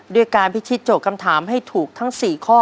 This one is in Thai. ด้วยการพิชิตโจทย์คำถามให้ถูกทั้ง๔ข้อ